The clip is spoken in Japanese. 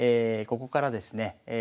ここからですね